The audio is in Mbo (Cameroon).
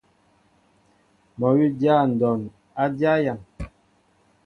Mol wi dya ndɔn a dya yam.